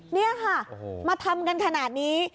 นี่ค่ะมาทำกันขนาดนี้